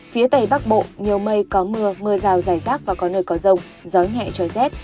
phía tây bắc bộ nhiều mây có mưa mưa rào dài rác và có nơi có rông gió nhẹ trời rét